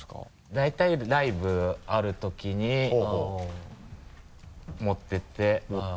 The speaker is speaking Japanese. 大体ライブあるときに持っていって。